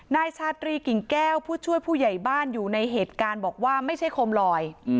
นายชาตรีกิ่งแก้วผู้ช่วยผู้ใหญ่บ้านอยู่ในเหตุการณ์บอกว่าไม่ใช่โคมลอย